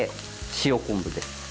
塩昆布です。